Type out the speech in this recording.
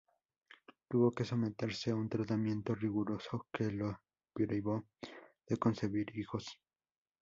Tuvo que someterse a un tratamiento riguroso que la privó de concebir hijos.